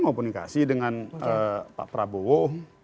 komunikasi dengan pak prabowo